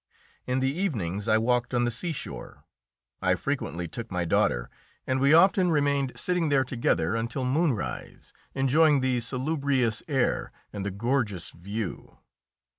In the evenings I walked on the seashore; I frequently took my daughter, and we often remained sitting there together until moonrise, enjoying the salubrious air and the gorgeous view.